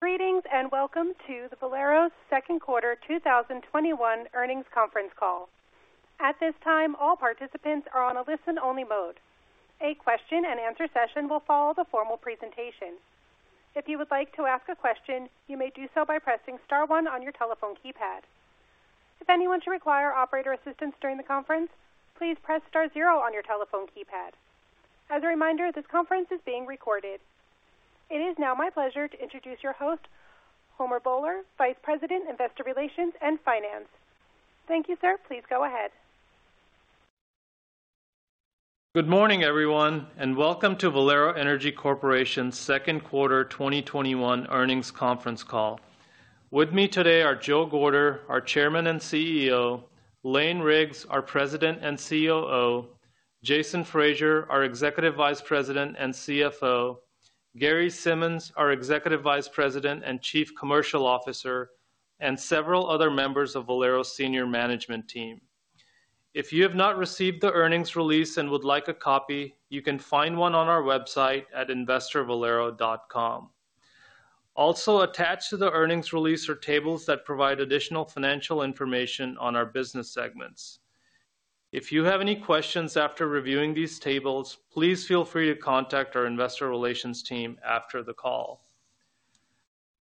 Greetings, welcome to the Valero's Second Quarter 2021 Earnings Conference Call. At this time, all participants are on a listen-only mode. A question-and-answer session will follow the formal presentation. If you would like to ask a question, you may do so by pressing star one on your telephone keypad. If anyone should require operator assistance during the conference, please press star zero on your telephone keypad. As a reminder, this conference is being recorded. It is now my pleasure to introduce your host, Homer Bhullar, Vice President, Investor Relations and Finance. Thank you, sir. Please go ahead. Good morning, everyone, and welcome to Valero Energy Corporation's Second Quarter 2021 Earnings Conference Call. With me today are Joe Gorder, our Chairman and CEO; Lane Riggs, our President and COO; Jason Fraser, our Executive Vice President and CFO; Gary Simmons, our Executive Vice President and Chief Commercial Officer, and several other members of Valero's senior management team. If you have not received the earnings release and would like a copy, you can find one on our website at investorvalero.com. Also attached to the earnings release are tables that provide additional financial information on our business segments. If you have any questions after reviewing these tables, please feel free to contact our investor relations team after the call.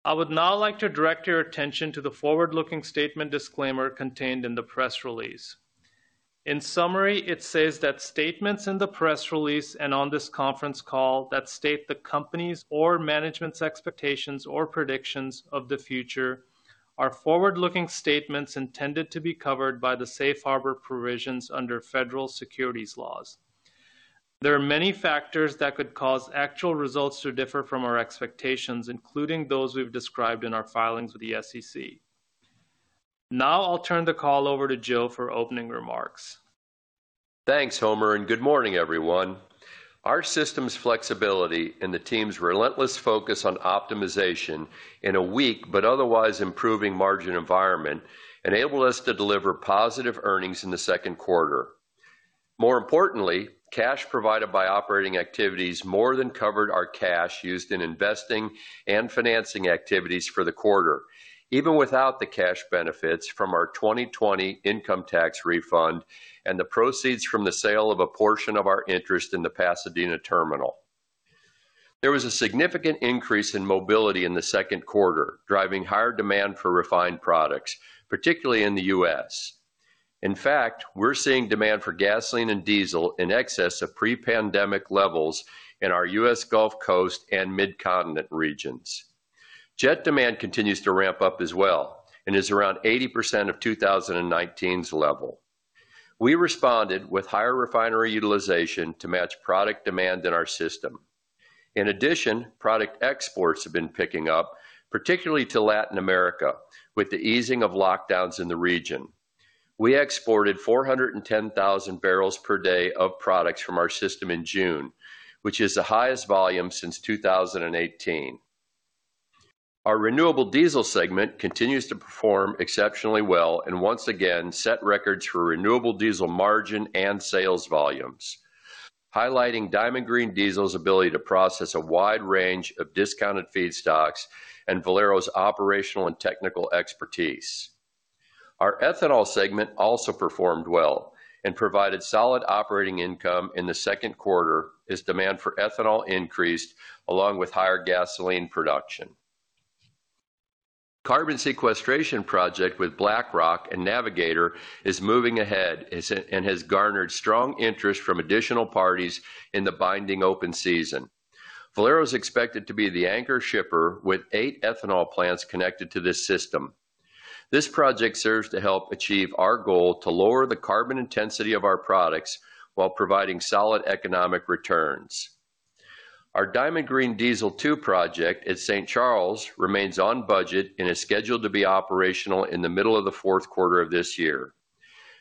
I would now like to direct your attention to the forward-looking statement disclaimer contained in the press release. In summary, it says that statements in the press release and on this conference call that state the company's or management's expectations or predictions of the future are forward-looking statements intended to be covered by the safe harbor provisions under federal securities laws. There are many factors that could cause actual results to differ from our expectations, including those we've described in our filings with the SEC. Now, I'll turn the call over to Joe for opening remarks. Thanks, Homer, and good morning, everyone. Our system's flexibility and the team's relentless focus on optimization in a weak but otherwise improving margin environment enabled us to deliver positive earnings in the second quarter. More importantly, cash provided by operating activities more than covered our cash used in investing and financing activities for the quarter, even without the cash benefits from our 2020 income tax refund and the proceeds from the sale of a portion of our interest in the Pasadena Terminal. There was a significant increase in mobility in the second quarter, driving higher demand for refined products, particularly in the U.S. In fact, we're seeing demand for gasoline and diesel in excess of pre-pandemic levels in our U.S. Gulf Coast and Mid-Continent regions. Jet demand continues to ramp up as well and is around 80% of 2019's level. We responded with higher refinery utilization to match product demand in our system. Product exports have been picking up, particularly to Latin America, with the easing of lockdowns in the region. We exported 410,000 bpd of products from our system in June, which is the highest volume since 2018. Our renewable diesel segment continues to perform exceptionally well and once again set records for renewable diesel margin and sales volumes, highlighting Diamond Green Diesel's ability to process a wide range of discounted feedstocks and Valero's operational and technical expertise. Our Ethanol segment also performed well and provided solid operating income in the second quarter as demand for ethanol increased along with higher gasoline production. Carbon sequestration project with BlackRock and Navigator is moving ahead and has garnered strong interest from additional parties in the binding open season. Valero is expected to be the anchor shipper with eight Ethanol plants connected to this system. This project serves to help achieve our goal to lower the carbon intensity of our products while providing solid economic returns. Our Diamond Green Diesel 2 project at St. Charles remains on budget and is scheduled to be operational in the middle of the fourth quarter of this year.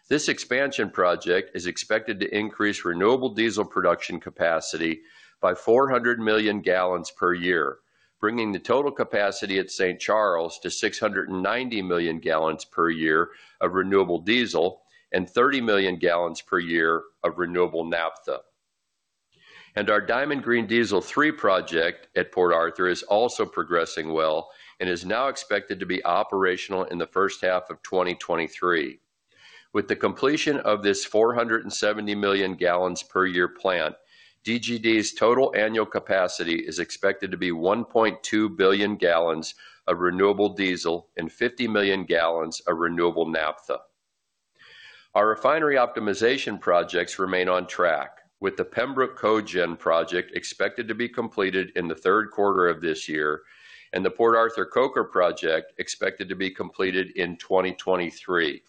This expansion project is expected to increase renewable diesel production capacity by 400 million gal per year, bringing the total capacity at St. Charles to 690 million gal per year of renewable diesel and 30 million gal per year of renewable naphtha. Our Diamond Green Diesel 3 project at Port Arthur is also progressing well and is now expected to be operational in the first half of 2023. With the completion of this 470 million gal per year plant, DGD's total annual capacity is expected to be 1.2 billion gal of renewable diesel and 50 million gal of renewable naphtha. Our refinery optimization projects remain on track, with the Pembroke Cogen project expected to be completed in the third quarter of this year and the Port Arthur Coker project expected to be completed in 2023.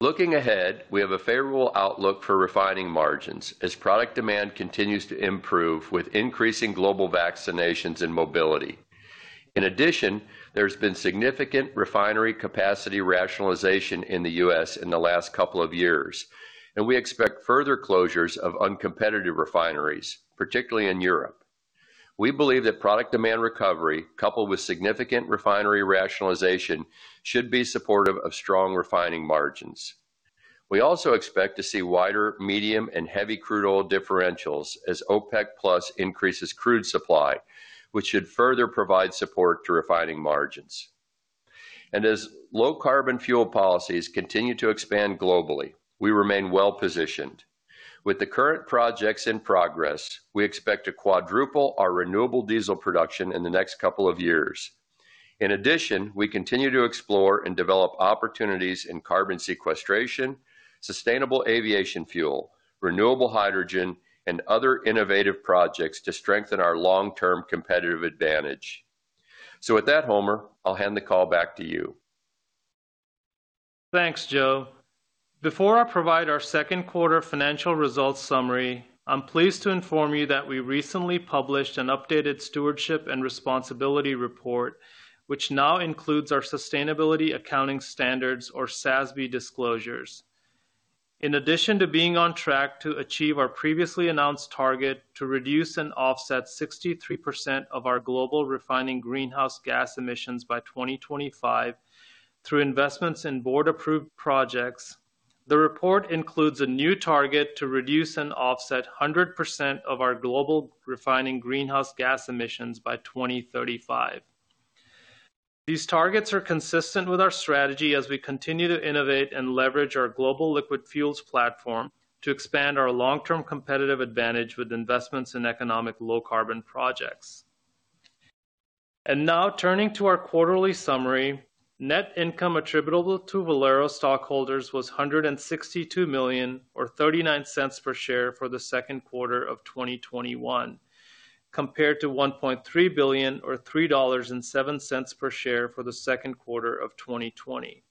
Looking ahead, we have a favorable outlook for refining margins as product demand continues to improve with increasing global vaccinations and mobility. In addition, there's been significant refinery capacity rationalization in the U.S. in the last couple of years, and we expect further closures of uncompetitive refineries, particularly in Europe. We believe that product demand recovery coupled with significant refinery rationalization should be supportive of strong refining margins. We also expect to see wider medium and heavy crude oil differentials as OPEC+ increases crude supply, which should further provide support to refining margins. As low carbon fuel policies continue to expand globally, we remain well-positioned. With the current projects in progress, we expect to quadruple our renewable diesel production in the next couple of years. In addition, we continue to explore and develop opportunities in carbon sequestration, sustainable aviation fuel, renewable hydrogen, and other innovative projects to strengthen our long-term competitive advantage. With that, Homer, I'll hand the call back to you. Thanks, Joe. Before I provide our second quarter financial results summary, I'm pleased to inform you that we recently published an updated stewardship and responsibility report, which now includes our SASB disclosures. In addition to being on track to achieve our previously announced target to reduce and offset 63% of our global refining greenhouse gas emissions by 2025 through investments in board-approved projects, the report includes a new target to reduce and offset 100% of our global refining greenhouse gas emissions by 2035. These targets are consistent with our strategy as we continue to innovate and leverage our global liquid fuels platform to expand our long-term competitive advantage with investments in economic low carbon projects. And now turning to our quarterly summary, net income attributable to Valero stockholders was $162 million, or $0.39 per share for the second quarter of 2021, compared to $1.3 billion or $3.07 per share for the second quarter of 2020.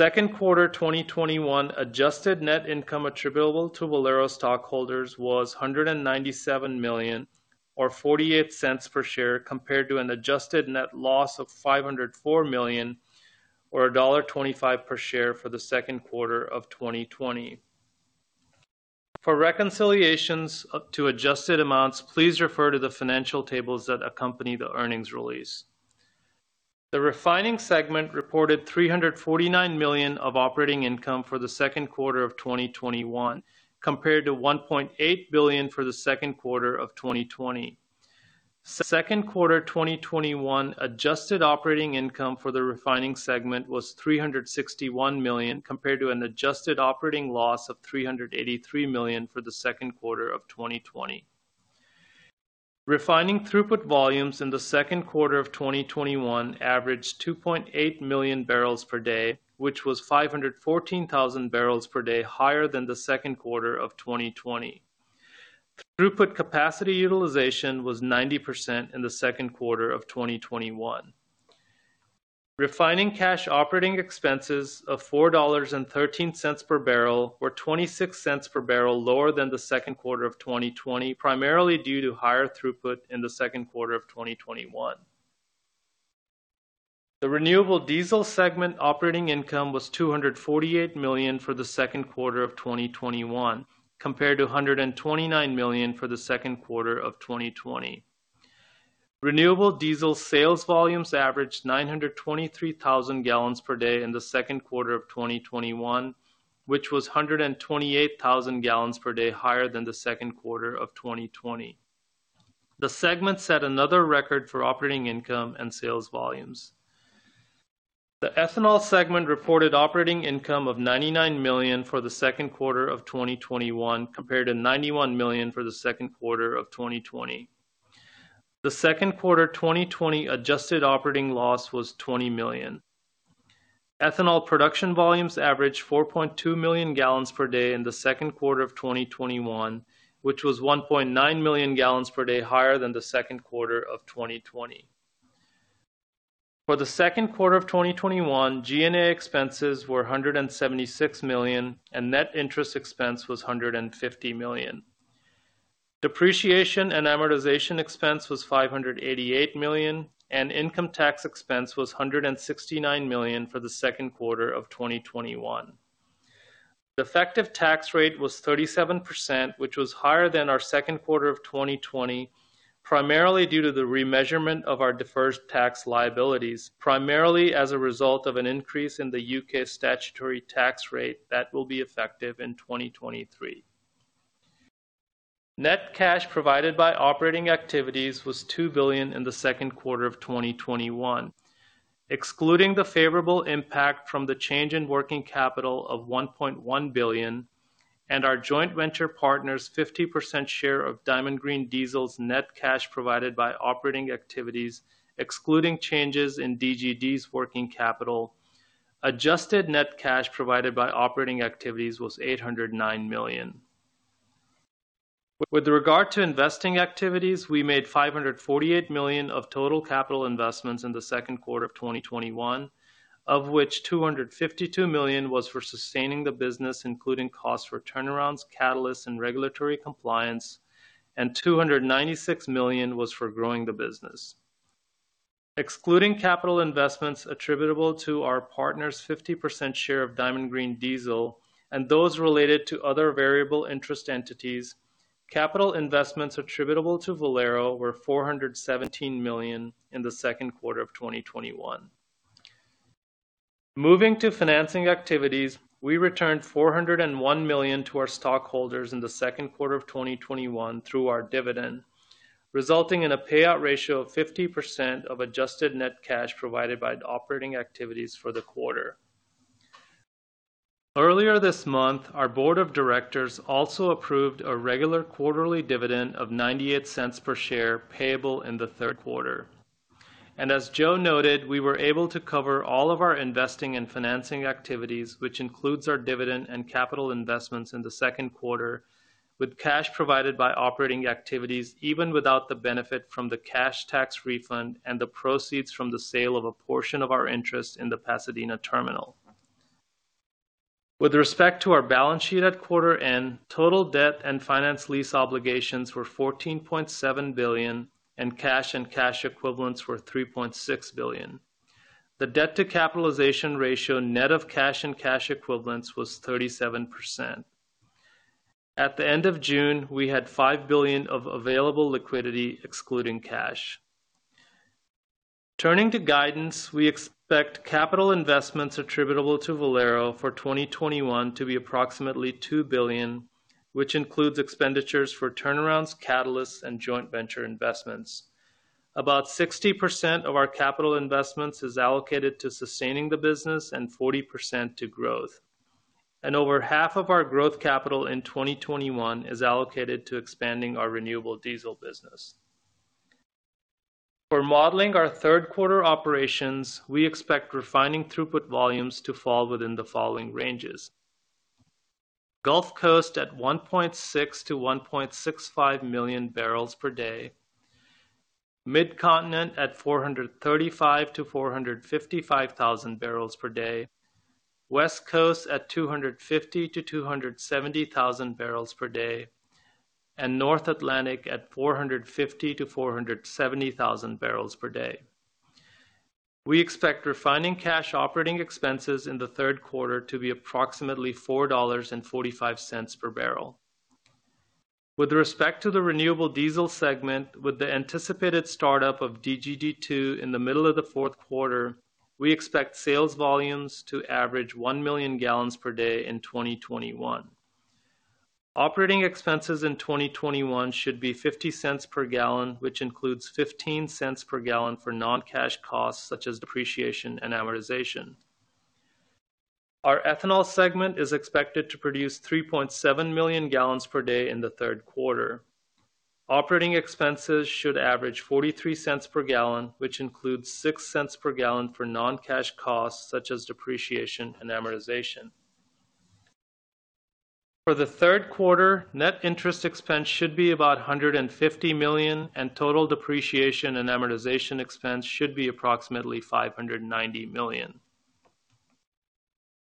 Second quarter 2021 adjusted net income attributable to Valero stockholders was $197 million, or $0.48 per share compared to an adjusted net loss of $504 million, or $1.25 per share for the second quarter of 2020. For reconciliations to adjusted amounts, please refer to the financial tables that accompany the earnings release. The refining segment reported $349 million of operating income for the second quarter of 2021, compared to $1.8 billion for the second quarter of 2020. Second quarter 2021 adjusted operating income for the refining segment was $361 million compared to an adjusted operating loss of $383 million for the second quarter of 2020. Refining throughput volumes in the second quarter of 2021 averaged 2.8 million bpd, which was 514,000 bpd higher than the second quarter of 2020. Throughput capacity utilization was 90% in the second quarter of 2021. Refining cash operating expenses of $4.13 per bbl were $0.26 per bbl lower than the second quarter of 2020, primarily due to higher throughput in the second quarter of 2021. The renewable diesel segment operating income was $248 million for the second quarter of 2021 compared to $129 million for the second quarter of 2020. Renewable diesel sales volumes averaged 923,000 gal per day in the second quarter of 2021, which was 128,000 gal per day higher than the second quarter of 2020. The segment set another record for operating income and sales volumes. The Ethanol segment reported operating income of $99 million for the second quarter of 2021 compared to $91 million for the second quarter of 2020. The second quarter 2020 adjusted operating loss was $20 million. Ethanol production volumes averaged 4.2 million gal per day in the second quarter of 2021, which was 1.9 million gal per day higher than the second quarter of 2020. For the second quarter of 2021, G&A expenses were $176 million, and net interest expense was $150 million. Depreciation and amortization expense was $588 million, and income tax expense was $169 million for the second quarter of 2021. The effective tax rate was 37%, which was higher than our second quarter of 2020, primarily due to the remeasurement of our deferred tax liabilities, primarily as a result of an increase in the U.K. statutory tax rate that will be effective in 2023. Net cash provided by operating activities was $2 billion in the second quarter of 2021. Excluding the favorable impact from the change in working capital of $1.1 billion and our joint venture partner's 50% share of Diamond Green Diesel's net cash provided by operating activities, excluding changes in DGD's working capital, adjusted net cash provided by operating activities was $809 million. With regard to investing activities, we made $548 million of total capital investments in the second quarter of 2021, of which $252 million was for sustaining the business, including costs for turnarounds, catalysts, and regulatory compliance, and $296 million was for growing the business. Excluding capital investments attributable to our partner's 50% share of Diamond Green Diesel and those related to other variable interest entities capital investments attributable to Valero were $417 million in the second quarter of 2021. Moving to financing activities, we returned $401 million to our stockholders in the second quarter of 2021 through our dividend, resulting in a payout ratio of 50% of adjusted net cash provided by operating activities for the quarter. Earlier this month, our board of directors also approved a regular quarterly dividend of $0.98 per share payable in the third quarter. As Joe noted, we were able to cover all of our investing and financing activities, which includes our dividend and capital investments in the second quarter, with cash provided by operating activities, even without the benefit from the cash tax refund and the proceeds from the sale of a portion of our interest in the Pasadena Terminal. With respect to our balance sheet at quarter end, total debt and finance lease obligations were $14.7 billion, and cash and cash equivalents were $3.6 billion. The debt-to-capitalization ratio net of cash and cash equivalents was 37%. At the end of June, we had $5 billion of available liquidity excluding cash. Turning to guidance, we expect capital investments attributable to Valero for 2021 to be approximately $2 billion, which includes expenditures for turnarounds, catalysts, and joint venture investments. About 60% of our capital investments is allocated to sustaining the business and 40% to growth. And over half of our growth capital in 2021 is allocated to expanding our renewable diesel business. For modeling our third quarter operations, we expect refining throughput volumes to fall within the following ranges: Gulf Coast at 1.6 million bpd-1.65 million bpd, Mid-Continent at 435,000 bpd-455,000 bpd, West Coast at 250,000 bpd-270,000 bpd, and North Atlantic at 450,000 bpd-470,000 bpd. We expect refining cash operating expenses in the third quarter to be approximately $4.45 per bbl. With respect to the renewable diesel segment, with the anticipated startup of DGD 2 in the middle of the fourth quarter, we expect sales volumes to average 1 million gal per day in 2021. Operating expenses in 2021 should be $0.50 per gal, which includes $0.15 per gal for non-cash costs such as depreciation and amortization. Our Ethanol segment is expected to produce 3.7 million gal per day in the third quarter. Operating expenses should average $0.43 per gal, which includes $0.06 per gal for non-cash costs such as depreciation and amortization. For the third quarter, net interest expense should be about $150 million, and total depreciation and amortization expense should be approximately $590 million.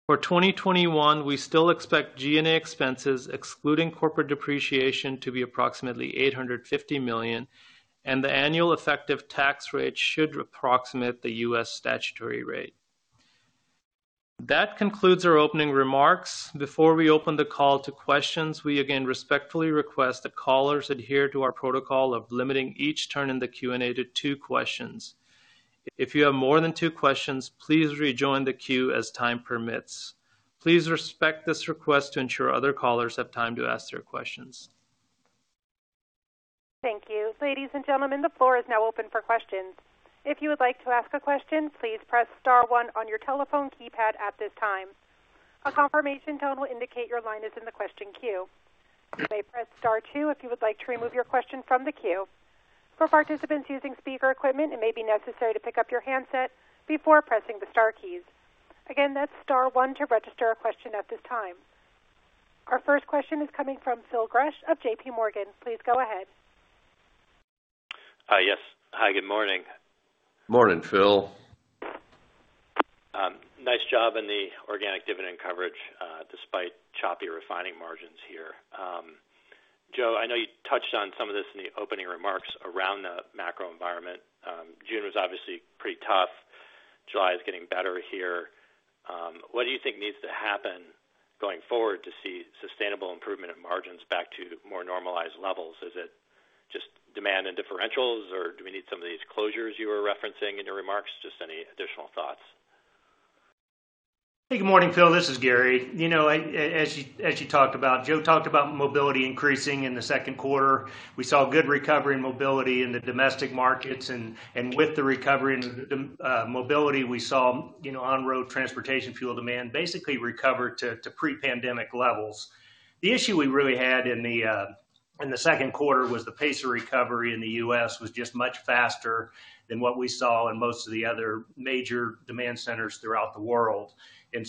For 2021, we still expect G&A expenses excluding corporate depreciation to be approximately $850 million. The annual effective tax rate should approximate the U.S. statutory rate. That concludes our opening remarks. Before we open the call to questions, we again respectfully request that callers adhere to our protocol of limiting each turn in the Q&A to two questions. If you have more than two questions, please rejoin the queue as time permits. Please respect this request to ensure other callers have time to ask their questions. Thank you. Ladies and gentlemen, the floor is now open for questions. If you would like to ask a question, please press star, one on your telephone keypad at the time. A confirmation tone will indicate your line is in the question queue. You may press star, two if you would like to remove your question from the queue. For participants using speaker equipment, it may be necessary to pick up your handset before pressing the star keys. Again, that's star one to register a question at the time. Our first question is coming from Phil Gresh of J.P. Morgan. Please go ahead. Yes. Hi, good morning. Morning, Phil. Nice job in the organic dividend coverage despite choppy refining margins here. Joe, I know you touched on some of this in the opening remarks around the macro environment. June was obviously pretty tough. July is getting better here. What do you think needs to happen going forward to see sustainable improvement in margins back to more normalized levels? Is it just demand and differentials, or do we need some of these closures you were referencing in your remarks? Just any additional thoughts? Good morning, Phil. This is Gary. As you talked about, Joe talked about mobility increasing in the second quarter. We saw good recovery in mobility in the domestic markets, and with the recovery in mobility, we saw on-road transportation fuel demand basically recover to pre-pandemic levels. The issue we really had in the second quarter was the pace of recovery in the U.S. was just much faster than what we saw in most of the other major demand centers throughout the world.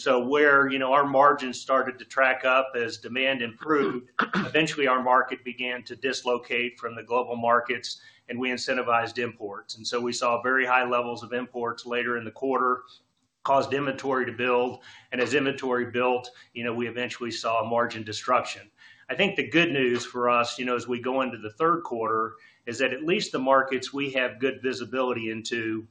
Where our margins started to track up as demand improved, eventually our market began to dislocate from the global markets, and we incentivized imports. We saw very high levels of imports later in the quarter, caused inventory to build, and as inventory built, we eventually saw margin disruption. I think the good news for us as we go into the third quarter is that at least the markets we have good visibility into.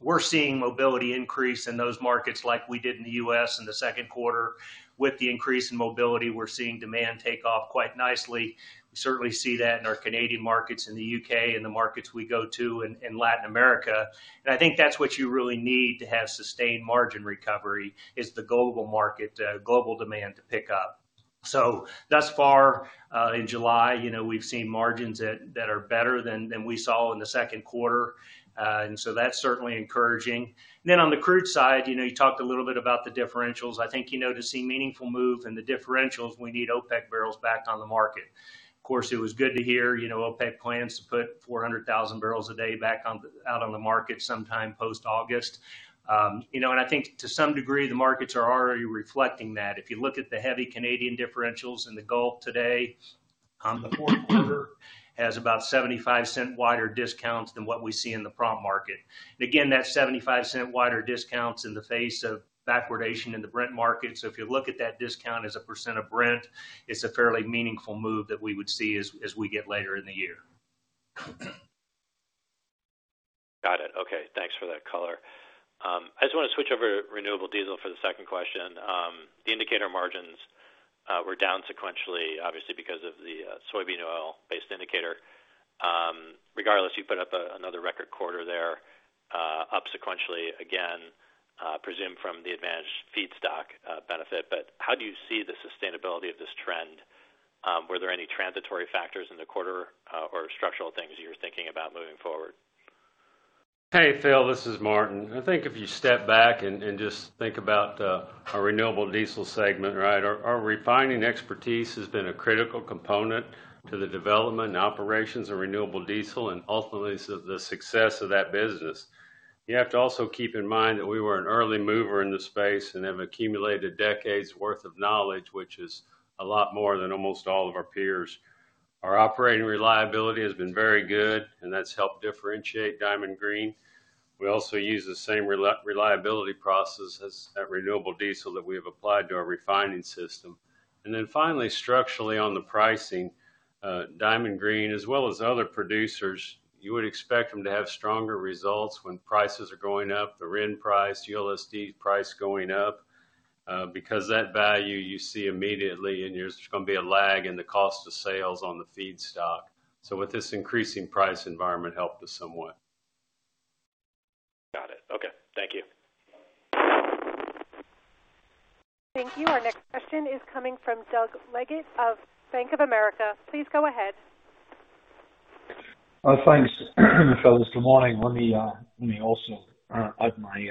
We're seeing mobility increase in those markets like we did in the U.S. in the second quarter. With the increase in mobility, we're seeing demand take off quite nicely. We certainly see that in our Canadian markets, in the U.K., and the markets we go to in Latin America. I think that's what you really need to have sustained margin recovery is the global demand to pick up. Thus far, in July, we've seen margins that are better than we saw in the second quarter. That's certainly encouraging. On the crude side, you talked a little bit about the differentials. I think, to see meaningful move in the differentials, we need OPEC barrels back on the market. Of course, it was good to hear OPEC plans to put 400,000 bpd back out on the market sometime post-August. I think to some degree, the markets are already reflecting that. If you look at the heavy Canadian differentials in the Gulf today, the fourth quarter has about $0.75 wider discounts than what we see in the prompt market. Again, that's $0.75 wider discounts in the face of backwardation in the Brent market. If you look at that discount as a percent of Brent, it's a fairly meaningful move that we would see as we get later in the year. Got it. Okay. Thanks for that color. I just want to switch over to renewable diesel for the second question. The indicator margins were down sequentially, obviously because of the soybean oil-based indicator. Regardless, you put up another record quarter there, up sequentially again, presumed from the advantaged feedstock benefit. How do you see the sustainability of this trend? Were there any transitory factors in the quarter or structural things you were thinking about moving forward? Hey, Phil, this is Martin. I think if you step back and just think about our renewable diesel segment, right? Our refining expertise has been a critical component to the development and operations of renewable diesel and ultimately the success of that business. You have to also keep in mind that we were an early mover in the space and have accumulated decades worth of knowledge, which is a lot more than almost all of our peers. Our operating reliability has been very good, and that's helped differentiate Diamond Green. We also use the same reliability processes at renewable diesel that we have applied to our refining system. Finally, structurally on the pricing, Diamond Green as well as other producers, you would expect them to have stronger results when prices are going up. The RIN price, ULSD price going up. That value you see immediately and there's going to be a lag in the cost of sales on the feedstock. With this increasing price environment helped us somewhat. Got it. Okay. Thank you. Thank you. Our next question is coming from Doug Leggate of Bank of America. Please go ahead. Thanks, fellas. Good morning. Let me also add my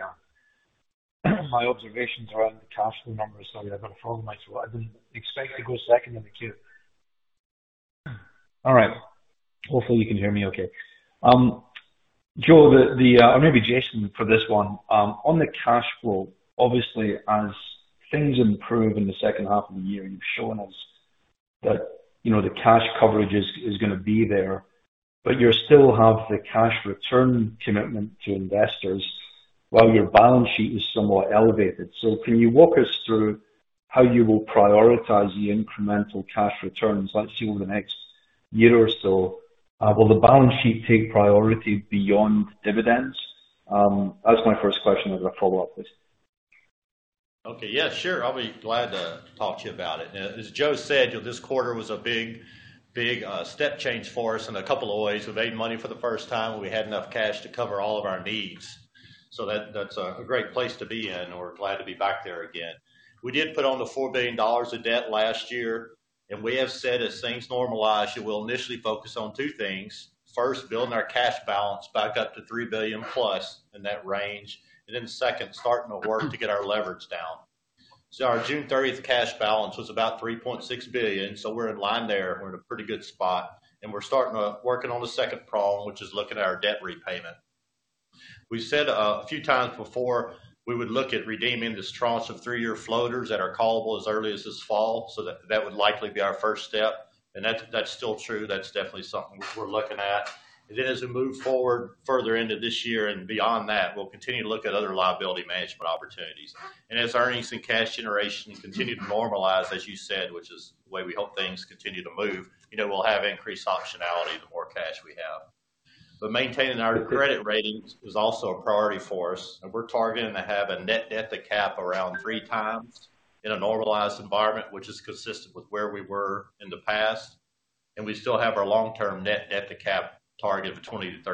observations around the cash flow numbers. Sorry, I've got to follow. I didn't expect to go second in the queue. All right. Hopefully, you can hear me okay. Joe, or maybe Jason for this one. On the cash flow, obviously as things improve in the second half of the year, you've shown us that the cash coverage is going to be there, you still have the cash return commitment to investors while your balance sheet is somewhat elevated. Can you walk us through how you will prioritize the incremental cash returns, let's say over the next year or so? Will the balance sheet take priority beyond dividends? That was my first question. I've got a follow-up. Okay. Yeah, sure. I'll be glad to talk to you about it. As Joe said, this quarter was a big step change for us in a couple of ways. We've made money for the first time where we had enough cash to cover all of our needs. That's a great place to be in. We're glad to be back there again. We did put on the $4 billion of debt last year. We have said as things normalize, that we'll initially focus on two things. First, building our cash balance back up to $3 billion plus in that range. And then second, starting to work to get our leverage down. Our June 30th cash balance was about $3.6 billion. We're in line there. We're in a pretty good spot. We're starting to working on the second problem, which is looking at our debt repayment. We said a few times before, we would look at redeeming this tranche of three-year floaters that are callable as early as this fall. That would likely be our first step. That's still true. That's definitely something we're looking at. Then as we move forward further into this year and beyond that, we'll continue to look at other liability management opportunities. As earnings and cash generation continue to normalize, as you said, which is the way we hope things continue to move, we'll have increased optionality the more cash we have. Maintaining our credit ratings is also a priority for us, and we're targeting to have a net debt to cap around 3x in a normalized environment, which is consistent with where we were in the past. We still have our long-term net debt to cap target of 20%-30%.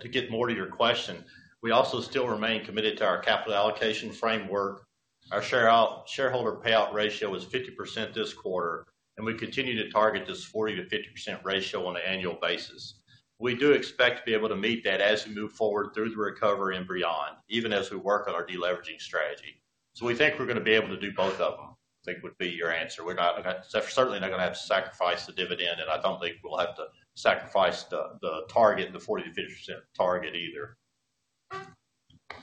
To get more to your question, we also still remain committed to our capital allocation framework. Our shareholder payout ratio was 50% this quarter, and we continue to target this 40%-50% ratio on an annual basis. We do expect to be able to meet that as we move forward through the recovery and beyond, even as we work on our deleveraging strategy. We think we're going to be able to do both of them, I think would be your answer. We're certainly not going to have to sacrifice the dividend, and I don't think we'll have to sacrifice the target, the 40%-50% target either.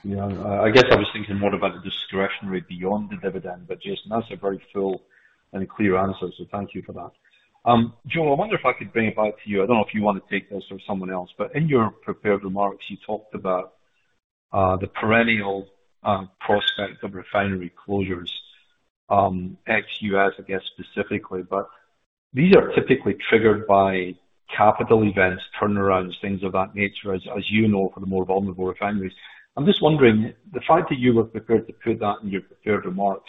Yeah. I guess I was thinking more about the discretionary beyond the dividend, Jason, that's a very full and clear answer. Thank you for that. Joe, I wonder if I could bring it back to you. I don't know if you want to take this or someone else, in your prepared remarks, you talked about the perennial prospect of refinery closures, ex-U.S., I guess specifically, these are typically triggered by capital events, turnarounds, things of that nature, as you know, for the more vulnerable refineries. I'm just wondering, the fact that you were prepared to put that in your prepared remarks,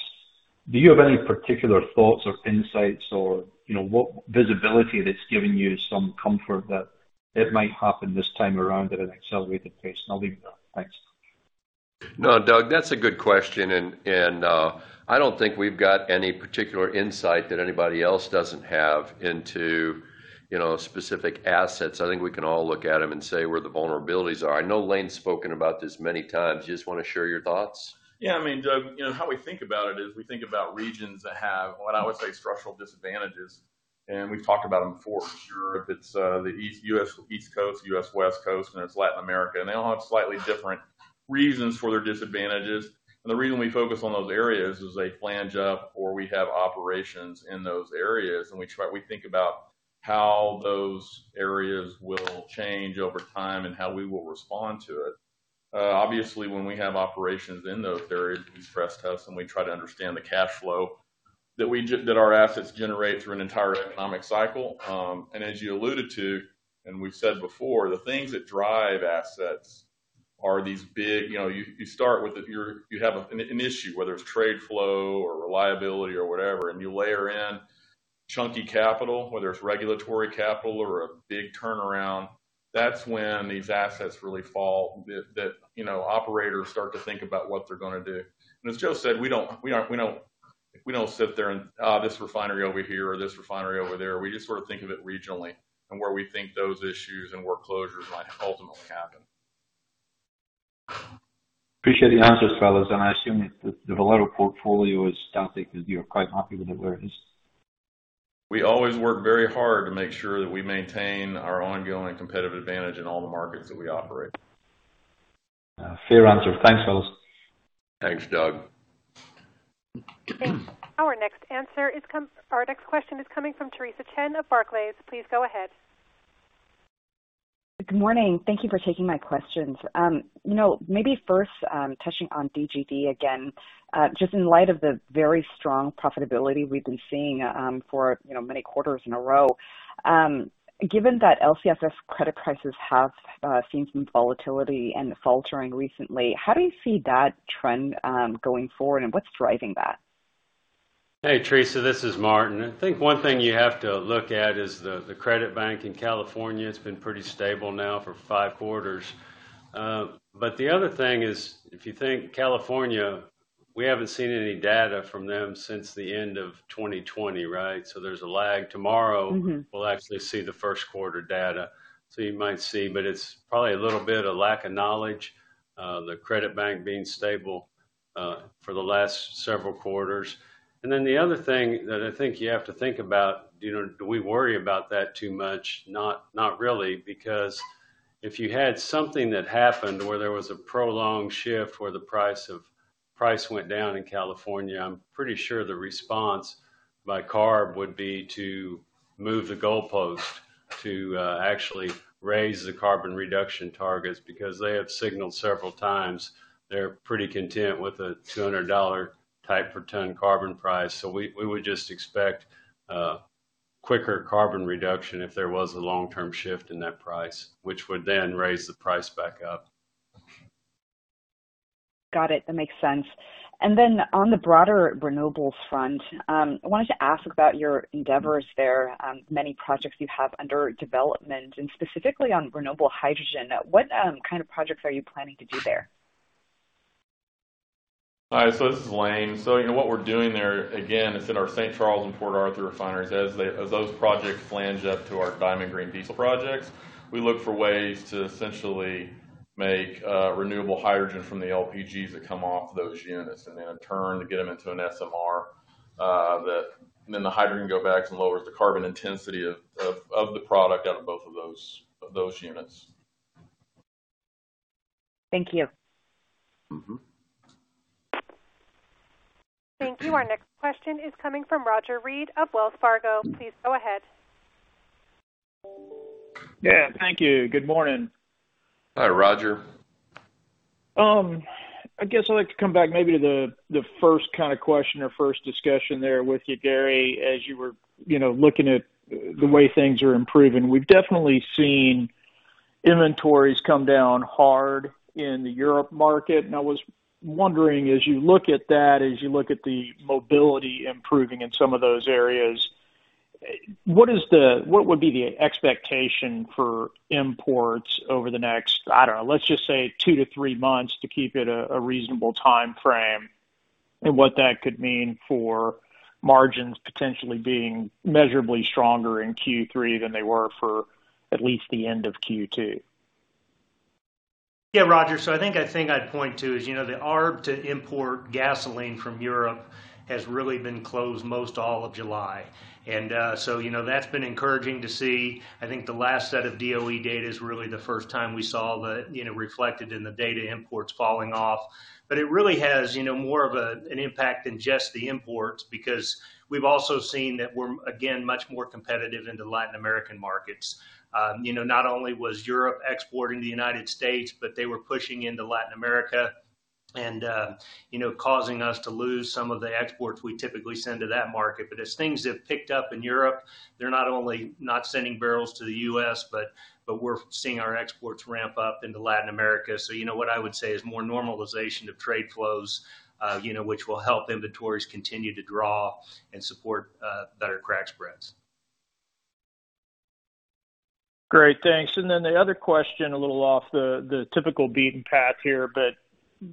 do you have any particular thoughts or insights or what visibility that's giving you some comfort that it might happen this time around at an accelerated pace? I'll leave it there. Thanks. No, Doug, that's a good question, and I don't think we've got any particular insight that anybody else doesn't have into specific assets. I think we can all look at them and say where the vulnerabilities are. I know Lane's spoken about this many times. You just want to share your thoughts? Yeah. Doug, how we think about it is we think about regions that have, what I would say, structural disadvantages. We've talked about them before. Sure. If it's the East U.S., East Coast, U.S. West Coast, there's Latin America, they all have slightly different reasons for their disadvantages. The reason we focus on those areas is they flange up or we have operations in those areas, we think about how those areas will change over time and how we will respond to it. Obviously, when we have operations in those areas, we stress test and we try to understand the cash flow that our assets generate through an entire economic cycle. As you alluded to, we've said before, the things that drive assets are these big. You know, you start with, you have an issue, whether it's trade flow or reliability or whatever, you layer in chunky capital, whether it's regulatory capital or a big turnaround. That's when these assets really fall, that operators start to think about what they're going to do. As Joe said, we don't sit there and this refinery over here or this refinery over there. We just sort of think of it regionally and where we think those issues and where closures might ultimately happen. Appreciate the answers, fellas, and I assume the Valero portfolio is something that you're quite happy with where it is. We always work very hard to make sure that we maintain our ongoing competitive advantage in all the markets that we operate. Fair answer. Thanks, fellas. Thanks, Doug. Our next question is coming from Theresa Chen of Barclays. Please go ahead. Good morning. Thank you for taking my questions. Maybe first, touching on DGD again, just in light of the very strong profitability we've been seeing for many quarters in a row. Given that LCFS credit prices have seen some volatility and faltering recently, how do you see that trend going forward, and what's driving that? Hey, Theresa. This is Martin. I think one thing you have to look at is the credit bank in California. It's been pretty stable now for five quarters. But the other thing is, if you think California, we haven't seen any data from them since the end of 2020, right? There's a lag. Tomorrow, we'll actually see the first quarter data. You might see, but it's probably a little bit of lack of knowledge, the credit bank being stable for the last several quarters. And then the other thing that I think you have to think about, do we worry about that too much? Not really, because if you had something that happened where there was a prolonged shift where the price went down in California, I'm pretty sure the response by CARB would be to move the goalpost to actually raise the carbon reduction targets because they have signaled several times they're pretty content with a $200 type per ton carbon price. We would just expect a quicker carbon reduction if there was a long-term shift in that price, which would then raise the price back up. Got it. That makes sense. On the broader renewables front, I wanted to ask about your endeavors there, many projects you have under development, and specifically on renewable hydrogen. What kind of projects are you planning to do there? Hi, this is Lane. What we're doing there, again, is in our St. Charles and Port Arthur refineries. As those projects flange up to our Diamond Green Diesel projects, we look for ways to essentially make renewable hydrogen from the LPGs that come off those units, and in turn, get them into an SMR. The hydrogen can go back and lowers the carbon intensity of the product out of both of those units. Thank you. Thank you. Our next question is coming from Roger Read of Wells Fargo. Please go ahead. Yeah, thank you. Good morning. Hi, Roger. I guess I'd like to come back maybe to the first kind of question or first discussion there with you, Gary, as you were looking at the way things are improving. We've definitely seen inventories come down hard in the Europe market, and I was wondering, as you look at that, as you look at the mobility improving in some of those areas, what would be the expectation for imports over the next, I don't know, let's just say two to three months to keep it a reasonable timeframe, and what that could mean for margins potentially being measurably stronger in Q3 than they were for at least the end of Q2? Yeah, Roger. I think the thing I'd point to is, the arb to import gasoline from Europe has really been closed most all of July. That's been encouraging to see. I think the last set of DOE data is really the first time we saw that reflected in the data imports falling off. It really has more of an impact than just the imports because we've also seen that we're, again, much more competitive in the Latin American markets. Not only was Europe exporting to the United States, but they were pushing into Latin America and causing us to lose some of the exports we typically send to that market. As things have picked up in Europe, they're not only not sending barrels to the U.S., but we're seeing our exports ramp up into Latin America. What I would say is more normalization of trade flows, which will help inventories continue to draw and support better crack spreads. Great, thanks. The other question a little off the typical beaten path here, but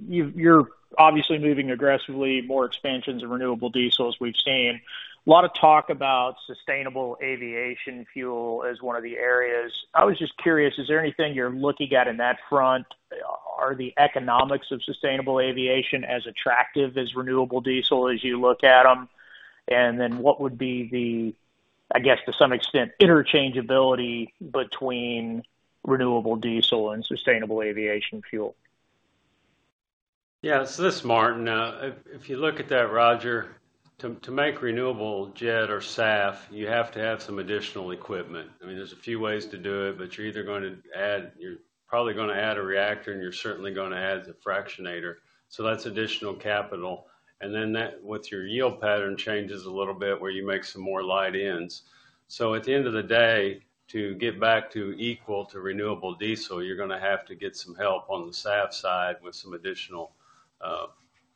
you're obviously moving aggressively more expansions of renewable diesel, as we've seen. A lot of talk about sustainable aviation fuel as one of the areas. I was just curious, is there anything you're looking at in that front? Are the economics of sustainable aviation as attractive as renewable diesel as you look at them? What would be the, I guess, to some extent, interchangeability between renewable diesel and sustainable aviation fuel? Yeah. This is Martin. If you look at that, Roger, to make renewable jet or SAF, you have to have some additional equipment. There's a few ways to do it, but you're probably going to add a reactor, and you're certainly going to add the fractionator. That's additional capital. And then, that with your yield pattern changes a little bit where you make some more light-ins. At the end of the day, to get back to equal to renewable diesel, you're going to have to get some help on the SAF side with some additional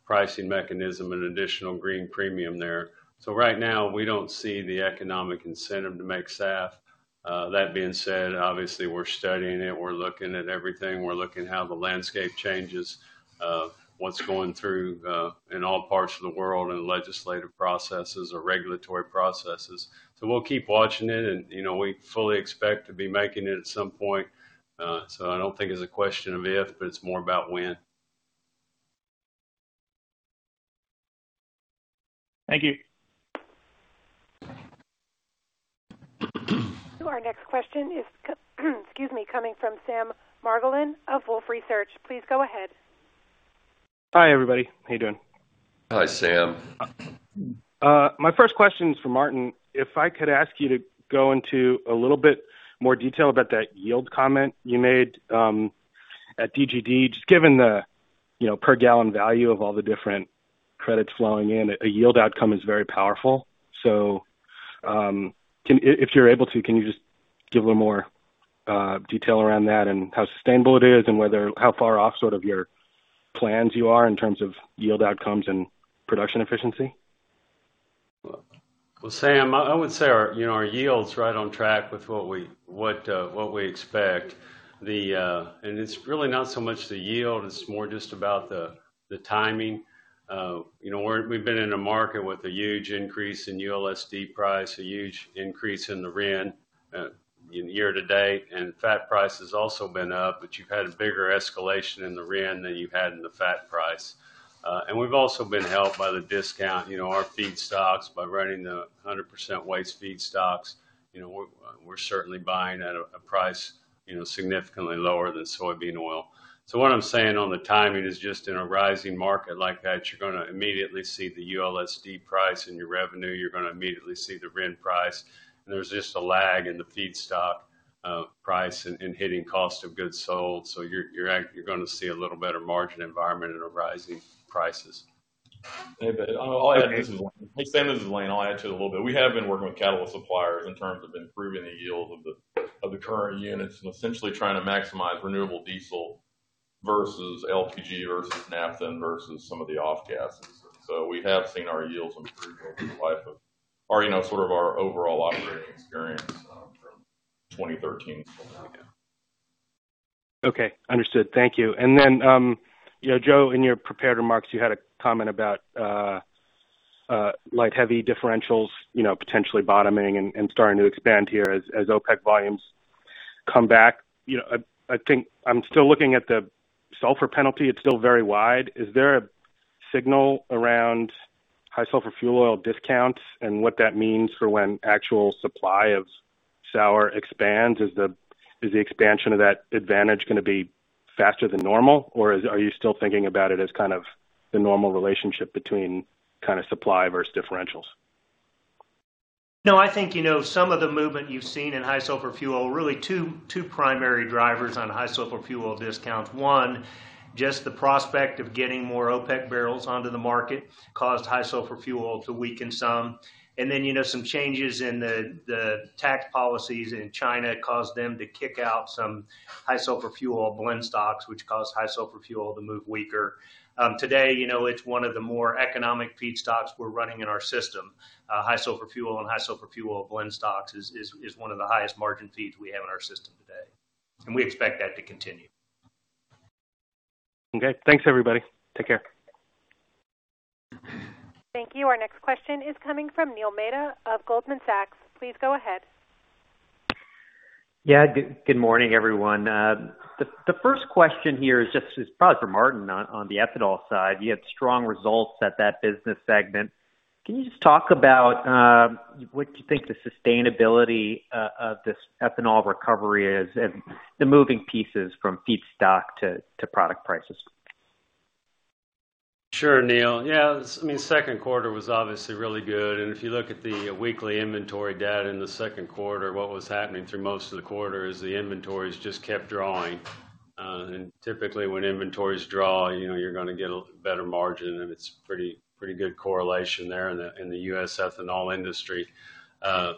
pricing mechanism and additional green premium there. Right now, we don't see the economic incentive to make SAF. That being said, obviously, we're studying it. We're looking at everything. We're looking how the landscape changes, what's going through in all parts of the world and legislative processes or regulatory processes. We'll keep watching it and we fully expect to be making it at some point. I don't think it's a question of if, but it's more about when. Thank you. Our next question is, excuse me, coming from Sam Margolin of Wolfe Research. Please go ahead. Hi, everybody. How you doing? Hi, Sam. My first question is for Martin. If I could ask you to go into a little bit more detail about that yield comment you made at DGD, just given the per gallon value of all the different credits flowing in, a yield outcome is very powerful. If you're able to, can you just give a little more detail around that and how sustainable it is and how far off sort of your plans you are in terms of yield outcomes and production efficiency? Well, Sam, I would say our yield's right on track with what we expect. It's really not so much the yield, it's more just about the timing. We've been in a market with a huge increase in ULSD price, a huge increase in the RIN year to date, and fat price has also been up, but you've had a bigger escalation in the RIN than you've had in the fat price. We've also been helped by the discount, our feedstocks, by running the 100% waste feedstocks. We're certainly buying at a price significantly lower than soybean oil. What I'm saying on the timing is just in a rising market like that, you're going to immediately see the ULSD price in your revenue. You're going to immediately see the RIN price. There's just a lag in the feedstock price and hitting cost of goods sold. You're going to see a little better margin environment in a rising prices. Hey, Sam. This is Lane. I'll add to it a little bit. We have been working with catalyst suppliers in terms of improving the yield of the current units and essentially trying to maximize renewable diesel versus LPG or some naphtha versus some of the off gases. We have seen our yields improve over the life of our overall operating experience from 2013 forward. Okay. Understood. Thank you. Joe, in your prepared remarks, you had a comment about light heavy differentials potentially bottoming and starting to expand here as OPEC volumes come back. I'm still looking at the sulfur penalty. It's still very wide. Is there a signal around high sulfur fuel oil discounts and what that means for when actual supply of sour expands? Is the expansion of that advantage going to be faster than normal? Are you still thinking about it as kind of the normal relationship between kind of supply versus differentials? No, I think some of the movement you've seen in high sulfur fuel, really two primary drivers on high sulfur fuel discounts. One, just the prospect of getting more OPEC barrels onto the market caused high sulfur fuel to weaken some. Some changes in the tax policies in China caused them to kick out some high sulfur fuel blend stocks, which caused high sulfur fuel to move weaker. Today, it's one of the more economic feedstocks we're running in our system. High sulfur fuel and high sulfur fuel blend stocks is one of the highest margin feeds we have in our system today. We expect that to continue. Okay. Thanks, everybody. Take care. Thank you. Our next question is coming from Neil Mehta of Goldman Sachs. Please go ahead. Yeah. Good morning, everyone. The first question here is probably for Martin on the Ethanol side. You had strong results at that business segment. Can you just talk about what you think the sustainability of this ethanol recovery is and the moving pieces from feedstock to product prices? Sure, Neil. Yeah, second quarter was obviously really good. If you look at the weekly inventory data in the second quarter, what was happening through most of the quarter is the inventories just kept drawing. Typically when inventories draw, you're going to get a better margin, and it's pretty good correlation there in the U.S. ethanol industry. The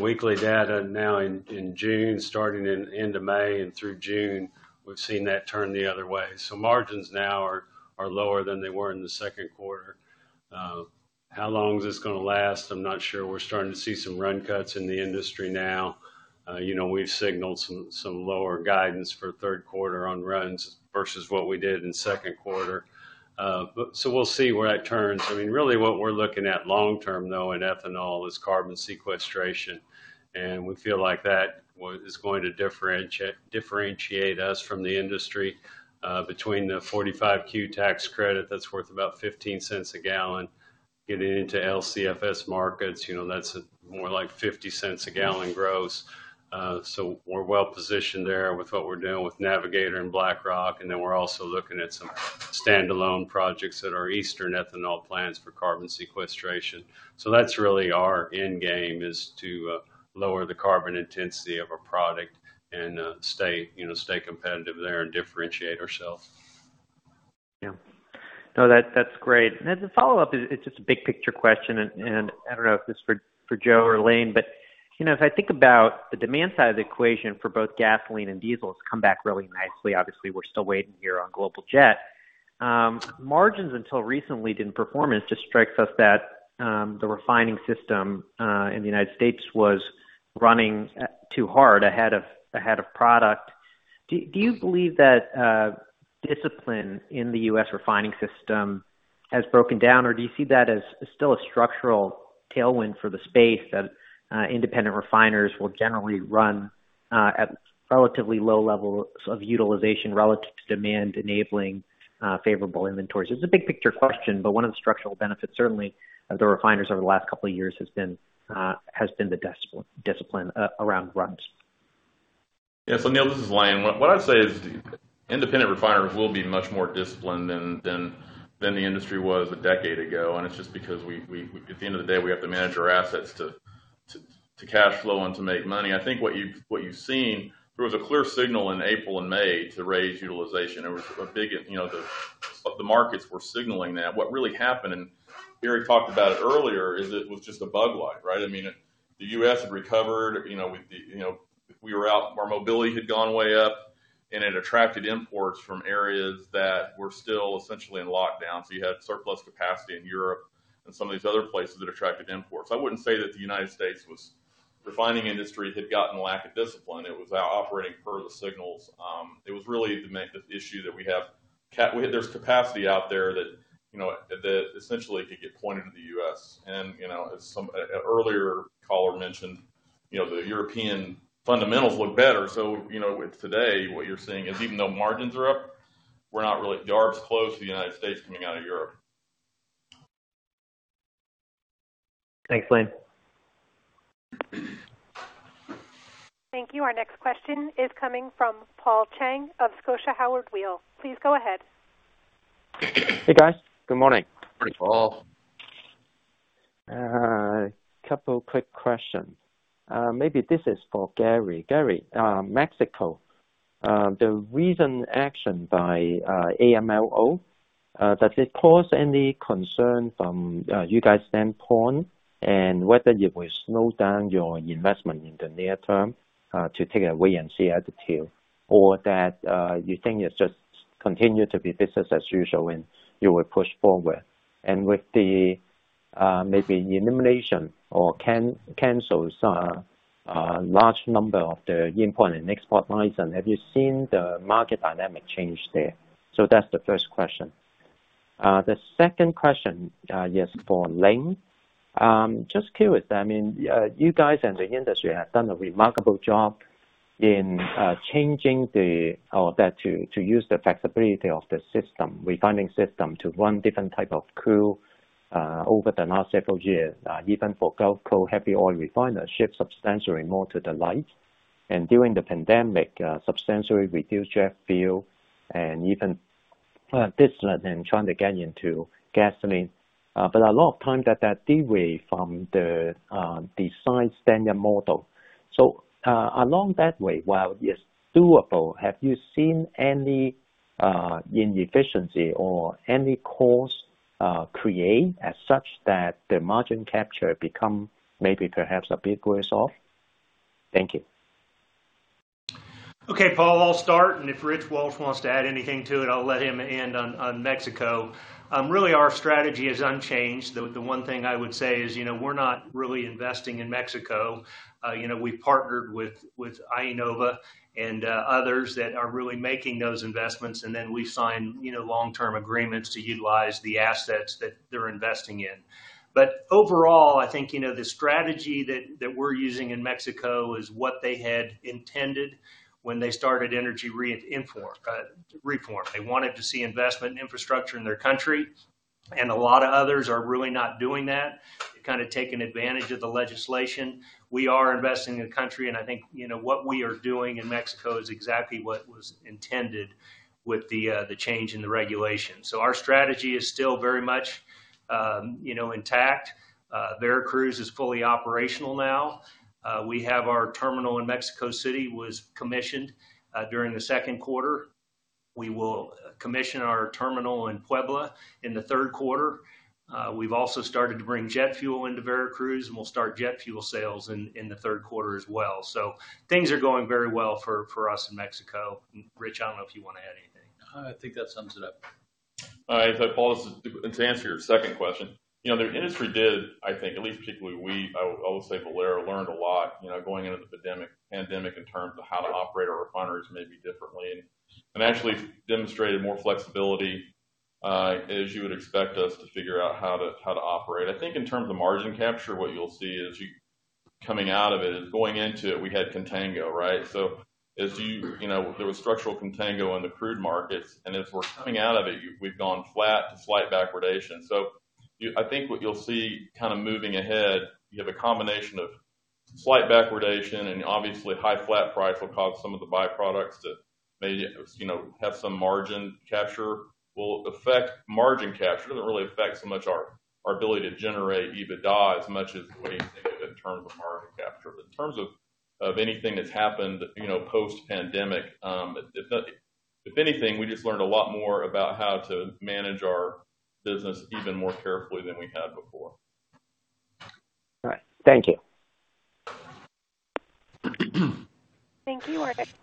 weekly data now in June, starting in end of May and through June, we've seen that turn the other way. Margins now are lower than they were in the second quarter. How long is this going to last? I'm not sure. We're starting to see some run cuts in the industry now. We've signaled some lower guidance for third quarter on runs versus what we did in second quarter. We'll see where that turns. Really what we're looking at long-term, though, in ethanol is carbon sequestration, and we feel like that is going to differentiate us from the industry, between the 45Q tax credit that's worth about $0.15 a gal, getting into LCFS markets. That's more like $0.50 a gal gross. We're well-positioned there with what we're doing with Navigator and BlackRock, and then we're also looking at some standalone projects at our eastern ethanol plants for carbon sequestration. That's really our end game, is to lower the carbon intensity of our product and stay competitive there and differentiate ourselves. Yeah. No, that's great. As a follow-up, it's just a big picture question, and I don't know if it's for Joe or Lane, but as I think about the demand side of the equation for both gasoline and diesel has come back really nicely. Obviously, we're still waiting here on global jet. Margins until recently didn't perform, and it just strikes us that the refining system in the U.S. was running too hard ahead of product. Do you believe that discipline in the U.S. refining system has broken down, or do you see that as still a structural tailwind for the space, that independent refiners will generally run at relatively low levels of utilization relative to demand, enabling favorable inventories? It's a big picture question, but one of the structural benefits, certainly of the refiners over the last couple of years, has been the discipline around runs. Yeah. Neil, this is Lane. What I'd say is independent refiners will be much more disciplined than the industry was a decade ago, and it's just because at the end of the day, we have to manage our assets to cash flow and to make money. I think what you've seen, there was a clear signal in April and May to raise utilization. The markets were signaling that. What really happened, and Gary talked about it earlier, is it was just a bug light, right? The U.S. had recovered. Our mobility had gone way up, and it attracted imports from areas that were still essentially in lockdown. You had surplus capacity in Europe and some of these other places that attracted imports. I wouldn't say that the United States refining industry had gotten a lack of discipline. It was operating per the signals. It was really the issue that there's capacity out there that essentially could get pointed at the U.S. As an earlier caller mentioned, the European fundamentals look better. You know, with today, what you're seeing is even though margins are up, we're not really arbs close to the United States coming out of Europe. Thanks, Lane. Thank you. Our next question is coming from Paul Cheng of Scotia Howard Weil. Please go ahead. Hey, guys. Good morning. Morning, Paul. A couple of quick questions. Maybe this is for Gary. Gary, Mexico. The recent action by AMLO, does it cause any concern from you guys standpoint and whether it will slow down your investment in the near term to take a wait and see attitude, or that you think it just continue to be business as usual and you will push forward? With the maybe elimination or cancel large number of the import and export license, have you seen the market dynamic change there? That's the first question. The second question is for Lane. Just curious, you guys and the industry have done a remarkable job in changing to use the flexibility of the refining system to run different type of crude over the last several years, even for Gulf Coast heavy oil refiners, shift substantially more to the light. And during the pandemic, substantially reduce jet fuel and even distillate and trying to get into gasoline. A lot of times that deviate from the design standard model. Along that way, while it is doable, have you seen any inefficiency or any cost create as such that the margin capture become maybe, perhaps a bit worse off? Thank you. Okay. Paul, I'll start, and if Rich Walsh wants to add anything to it, I'll let him end on Mexico. Really our strategy is unchanged. The one thing I would say is we're not really investing in Mexico. We partnered with IEnova and others that are really making those investments, and then we sign long-term agreements to utilize the assets that they're investing in. But overall, I think, the strategy that we're using in Mexico is what they had intended when they started energy reform. They wanted to see investment in infrastructure in their country. And a lot of others are really not doing that. They're kind of taking advantage of the legislation. We are investing in the country, and I think what we are doing in Mexico is exactly what was intended with the change in the regulation. Our strategy is still very much intact. Veracruz is fully operational now. We have our terminal in Mexico City, was commissioned during the second quarter. We will commission our terminal in Puebla in the third quarter. We've also started to bring jet fuel into Veracruz, and we'll start jet fuel sales in the third quarter as well. Things are going very well for us in Mexico. Rich, I don't know if you want to add anything. I think that sums it up. All right. If I pause to answer your second question. The industry did, I think, at least particularly we, I will say Valero, learned a lot going into the pandemic in terms of how to operate our refineries maybe differently, and actually demonstrated more flexibility, as you would expect us, to figure out how to operate. I think in terms of margin capture, what you'll see coming out of it is going into it, we had contango, right? There was structural contango in the crude markets, and as we're coming out of it, we've gone flat to slight backwardation. I think what you'll see kind of moving ahead, you have a combination of slight backwardation and obviously high flat price will cause some of the byproducts to maybe have some margin capture. Will it affect margin capture? It doesn't really affect so much our ability to generate EBITDA as much as the way you think of it in terms of margin capture. In terms of anything that's happened post-pandemic, if anything, we just learned a lot more about how to manage our business even more carefully than we had before. All right. Thank you. Thank you. Our next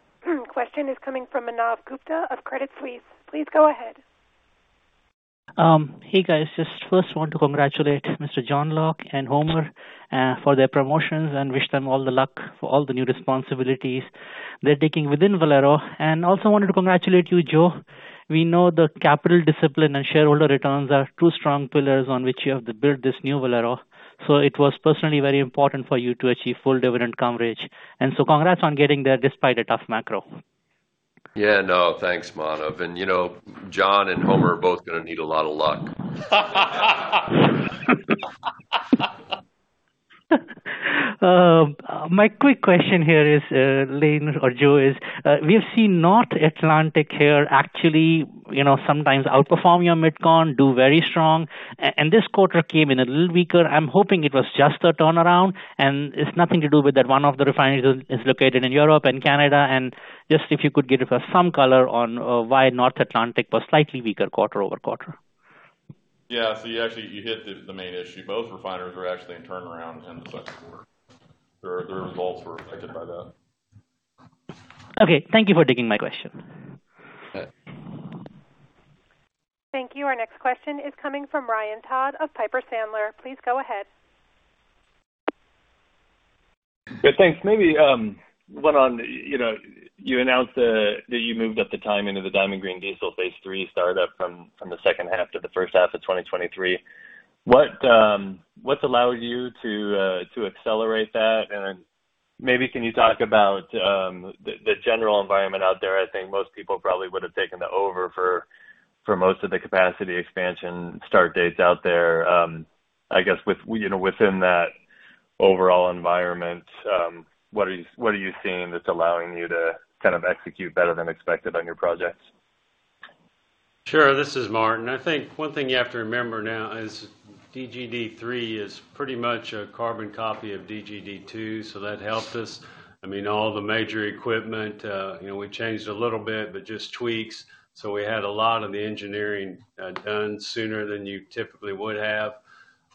question is coming from Manav Gupta of Credit Suisse. Please go ahead. Hey, guys. Just first want to congratulate Mr. John Locke and Homer for their promotions and wish them all the luck for all the new responsibilities they're taking within Valero. Also wanted to congratulate you, Joe. We know the capital discipline and shareholder returns are two strong pillars on which you have to build this new Valero. It was personally very important for you to achieve full dividend coverage. Congrats on getting there despite a tough macro. Yeah. No, thanks, Manav. And you know, John and Homer are both going to need a lot of luck. My quick question here is, Lane or Joe, is we've seen North Atlantic here actually sometimes outperform your MidCon, do very strong. This quarter came in a little weaker. I'm hoping it was just a turnaround, and it's nothing to do with that one of the refineries is located in Europe and Canada. Just if you could give us some color on why North Atlantic was slightly weaker quarter-over-quarter. Yeah. You actually hit the main issue. Both refineries were actually in turnaround in the second quarter. Their results were affected by that. Okay. Thank you for taking my question. Okay. Thank you. Our next question is coming from Ryan Todd of Piper Sandler. Please go ahead. Yeah, thanks. Maybe, one on, you announced that you moved up the timing of the Diamond Green Diesel 3 startup from the second half to the first half of 2023. What's allowed you to accelerate that? Then maybe can you talk about the general environment out there? I think most people probably would have taken the over for most of the capacity expansion start dates out there. I guess within that overall environment, what are you seeing that's allowing you to kind of execute better than expected on your projects? Sure. This is Martin. I think one thing you have to remember now is DGD 3 is pretty much a carbon copy of DGD 2. That helped us. All the major equipment, we changed a little bit, but just tweaks. We had a lot of the engineering done sooner than you typically would have.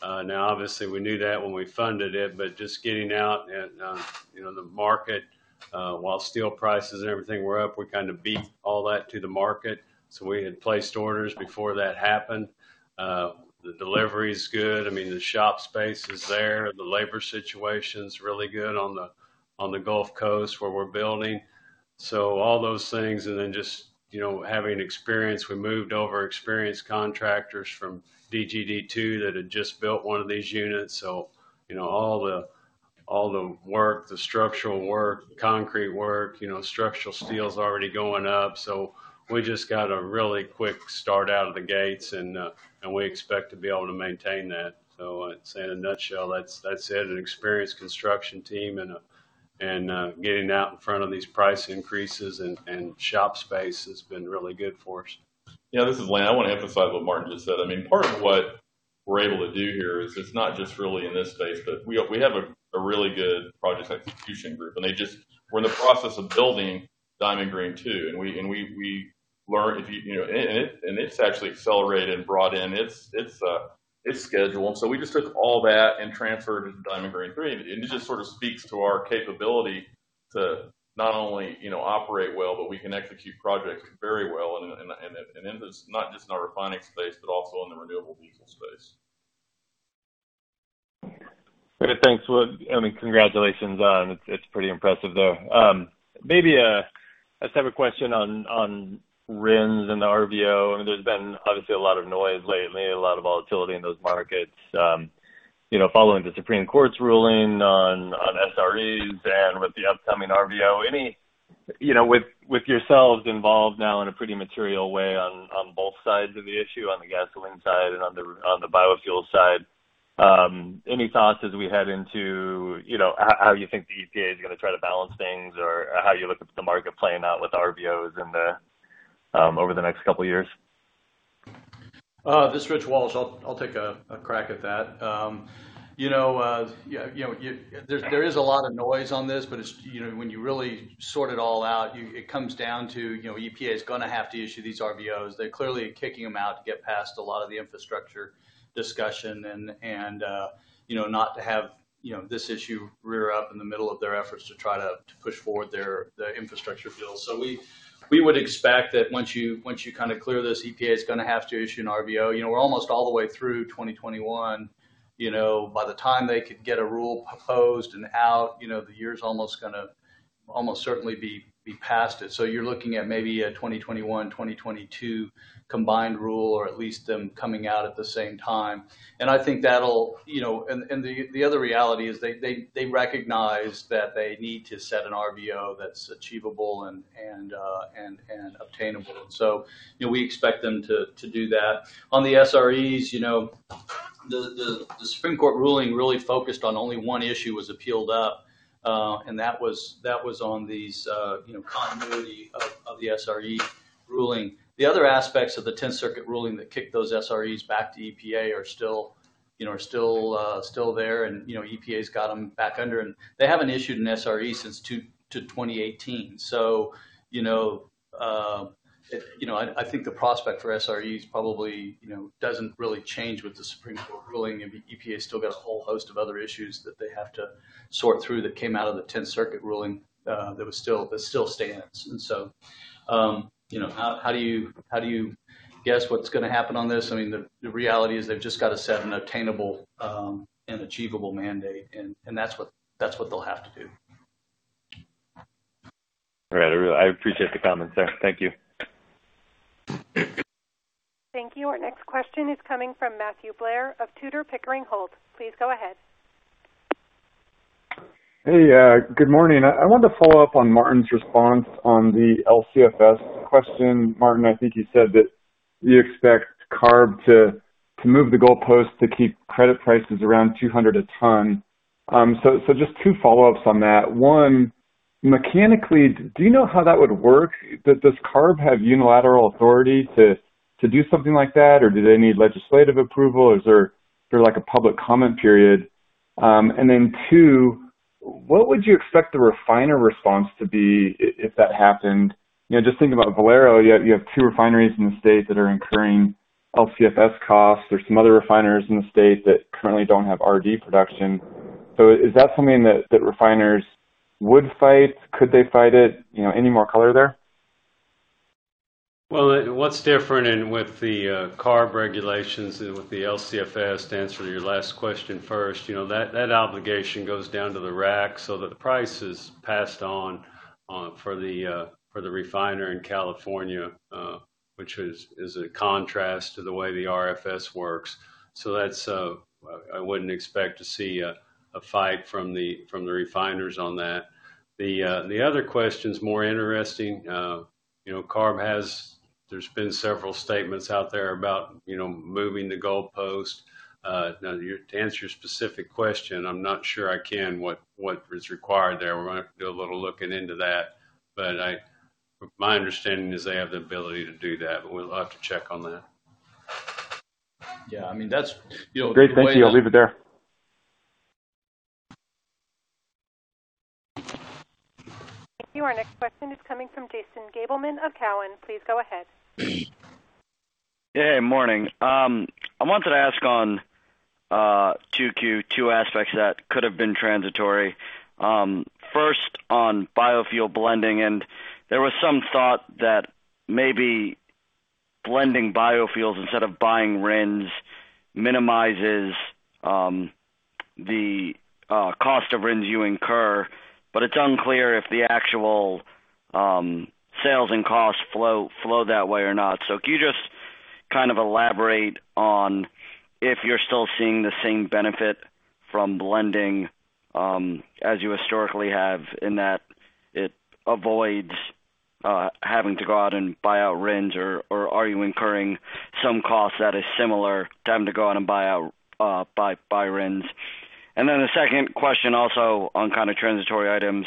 Now, obviously, we knew that when we funded it, but just getting out and the market while steel prices and everything were up, we kind of beat all that to the market. We had placed orders before that happened. The delivery is good. The shop space is there. The labor situation's really good on the Gulf Coast where we're building. All those things and then just having experience. We moved over experienced contractors from DGD 2 that had just built one of these units. All the work, the structural work, the concrete work, structural steel's already going up. We just got a really quick start out of the gates, and we expect to be able to maintain that. I'd say in a nutshell, that's it. An experienced construction team and getting out in front of these price increases and shop space has been really good for us. Yeah, this is Lane. I want to emphasize what Martin just said. Part of what we're able to do here is it's not just really in this space, but we have a really good project execution group. We're in the process of building Diamond Green 2. It's actually accelerated and brought in its schedule. We just took all that and transferred it to Diamond Green 3. It just sort of speaks to our capability to not only operate well, but we can execute projects very well and not just in our refining space, but also in the renewable diesel space. Great. Thanks. Congratulations. It's pretty impressive, though. Maybe a separate question on RINs and the RVO. There's been obviously a lot of noise lately, a lot of volatility in those markets. Following the Supreme Court's ruling on SREs and with the upcoming RVO, with yourselves involved now in a pretty material way on both sides of the issue, on the gasoline side and on the biofuels side, any thoughts as we head into how you think the EPA is going to try to balance things? Or how you look at the market playing out with RVOs over the next couple of years? This is Rich Walsh. I'll take a crack at that. There is a lot of noise on this, but when you really sort it all out, it comes down to EPA's going to have to issue these RVOs. They clearly are kicking them out to get past a lot of the infrastructure discussion and not to have this issue rear up in the middle of their efforts to try to push forward their infrastructure bill. We would expect that once you clear this, EPA's going to have to issue an RVO. We're almost all the way through 2021. By the time they could get a rule proposed and out, the year's almost certainly going to be past it. You're looking at maybe a 2021, 2022 combined rule, or at least them coming out at the same time. And I think that'll, you know, and the other reality is they recognize that they need to set an RVO that's achievable and obtainable. We expect them to do that. On the SREs, the Supreme Court ruling really focused on only one issue was appealed up. That was on these continuity of the SRE ruling. The other aspects of the Tenth Circuit ruling that kicked those SREs back to EPA are still there, and EPA's got them back under, and they haven't issued an SRE since 2018. I think the prospect for SREs probably doesn't really change with the Supreme Court ruling. I mean, EPA's still got a whole host of other issues that they have to sort through that came out of the Tenth Circuit ruling that still stands. How do you guess what's going to happen on this? The reality is they've just got to set an attainable and achievable mandate, and that's what they'll have to do. All right. I appreciate the comments there. Thank you. Thank you. Our next question is coming from Matthew Blair of Tudor, Pickering, Holt. Please go ahead. Hey, good morning. I wanted to follow up on Martin's response on the LCFS question. Martin, I think you said that you expect CARB to move the goalpost to keep credit prices around $200 a ton. Just two follow-ups on that. One, mechanically, do you know how that would work? Does CARB have unilateral authority to do something like that, or do they need legislative approval? Is there a public comment period? And then two, what would you expect the refiner response to be if that happened? Just thinking about Valero, you have twp refineries in the state that are incurring LCFS costs. There's some other refiners in the state that currently don't have RD production. Is that something that refiners would fight? Could they fight it? Any more color there? Well, what's different with the CARB regulations, with the LCFS, to answer your last question first, that obligation goes down to the rack so that the price is passed on for the refiner in California, which is a contrast to the way the RFS works. I wouldn't expect to see a fight from the refiners on that. The other question's more interesting. You know CARB has... There's been several statements out there about moving the goalpost. Now, to answer your specific question, I'm not sure I can, what is required there. We're going to have to do a little looking into that. My understanding is they have the ability to do that, but we'll have to check on that. Yeah, I mean, that's, you know- Great. Thank you. I'll leave it there. Thank you. Our next question is coming from Jason Gabelman of Cowen. Please go ahead. Hey, morning. I wanted to ask on 2Q two aspects that could have been transitory. First, on biofuel blending, and there was some thought that maybe blending biofuels instead of buying RINs minimizes the cost of RINs you incur, but it's unclear if the actual sales and costs flow that way or not. Can you just elaborate on if you're still seeing the same benefit from blending, as you historically have, in that it avoids having to go out and buy out RINs, or are you incurring some cost that is similar to having to go out and buy RINs? Then the second question, also on transitory items,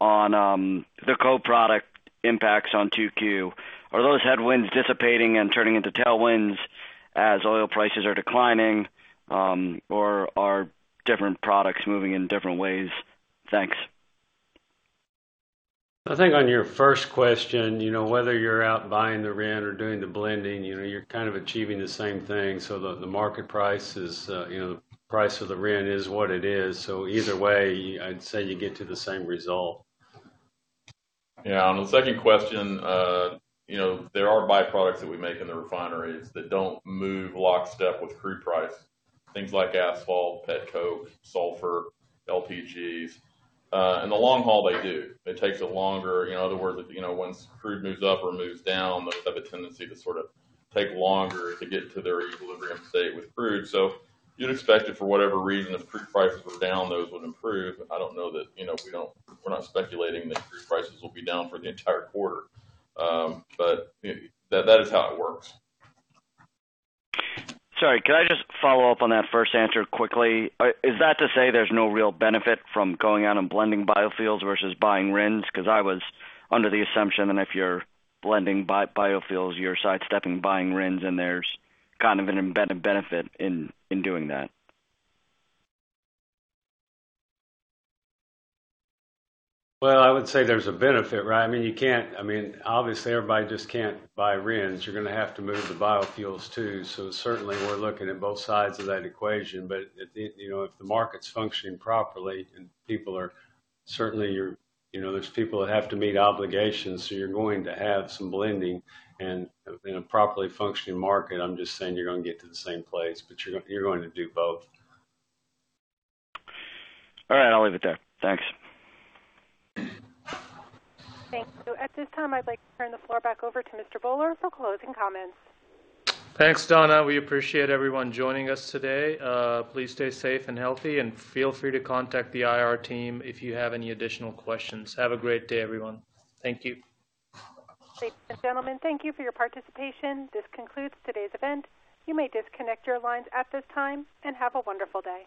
on the co-product impacts on 2Q. Are those headwinds dissipating and turning into tailwinds as oil prices are declining? Are different products moving in different ways? Thanks. I think on your first question, whether you're out buying the RIN or doing the blending, you're kind of achieving the same thing. The market price of the RIN is what it is. Either way, I'd say you get to the same result. Yeah. On the second question, there are byproducts that we make in the refineries that don't move lockstep with crude price. Things like asphalt, petcoke, sulfur, LPGs. In the long haul, they do. It takes it longer. In other words, once crude moves up or moves down, those have a tendency to sort of take longer to get to their equilibrium state with crude. You'd expect it for whatever reason, if crude prices were down, those would improve. We're not speculating that crude prices will be down for the entire quarter. That is how it works. Sorry, can I just follow up on that first answer quickly? Is that to say there's no real benefit from going out and blending biofuels versus buying RINs? I was under the assumption that if you're blending biofuels, you're sidestepping buying RINs, and there's kind of an embedded benefit in doing that. Well, I would say there's a benefit, right? Obviously, everybody just can't buy RINs. You're going to have to move the biofuels, too. Certainly, we're looking at both sides of that equation. If the market's functioning properly and there's people that have to meet obligations, so you're going to have some blending. In a properly functioning market, I'm just saying you're going to get to the same place, but you're going to do both. All right. I'll leave it there. Thanks. Thanks. At this time, I'd like to turn the floor back over to Mr. Bhullar for closing comments. Thanks, Donna. We appreciate everyone joining us today. Please stay safe and healthy, and feel free to contact the IR team if you have any additional questions. Have a great day, everyone. Thank you. Ladies and gentlemen, thank you for your participation. This concludes today's event. You may disconnect your lines at this time, and have a wonderful day.